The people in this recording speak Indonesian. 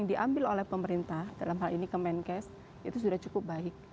yang diambil oleh pemerintah dalam hal ini kemenkes itu sudah cukup baik